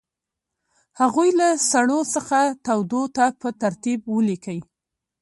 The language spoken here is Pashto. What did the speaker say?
هغوی له سړو څخه تودو ته په ترتیب ولیکئ.